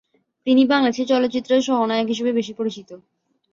তিনি বাংলাদেশী চলচ্চিত্রে সহ নায়ক হিসেবে বেশি পরিচিত।